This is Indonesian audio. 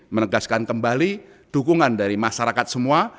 menegaskan kembali dukungan dari masyarakat semua